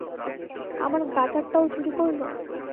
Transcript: আমার গাটারটাও চুরি করলো!